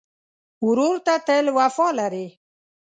ورور ته تل وفا لرې.